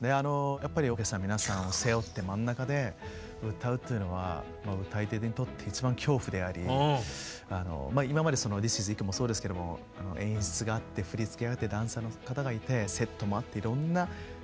やっぱりオーケストラの皆さんを背負って真ん中で歌うというのは歌い手にとって一番恐怖であり今まで「ＴＨＩＳＩＳＩＫＵ」もそうですけども演出があって振り付けがあってダンサーの方がいてセットもあっていろんなショーとして見せる。